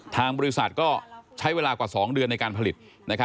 ทางบริษัทก็ใช้เวลากว่า๒เดือนในการผลิต